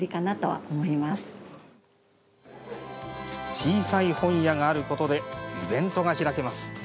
小さい本屋があることでイベントが開けます。